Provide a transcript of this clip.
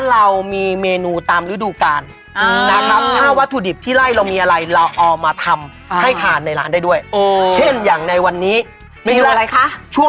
แล้วเดินเข้ามาแล้วบอกสั่งโลกใจการณ์ที่ไม่มีในเมนู